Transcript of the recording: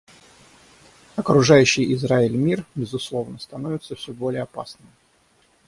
Окружающий Израиль мир, безусловно, становится все более опасным.